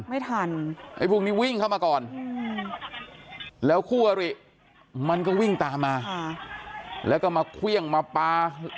ไม่ทันไอ้พวกนี้วิ่งเข้ามาก่อนแล้วคู่อริมันก็วิ่งตามมาแล้วก็มาเครื่องมาปลา